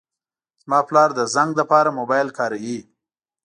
زما پلار د زنګ لپاره موبایل کاروي.